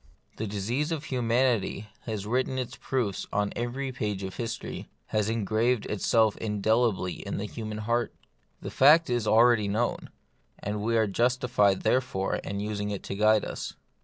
The disease of humanity has writ ten its proofs on every page of history, has engraved itself indelibly on the human heart. The fact is already known, and we are jus tified therefore in using it to guide us.